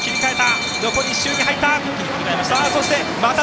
残り１周に入りました。